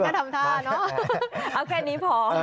เอาแค่นี้พอ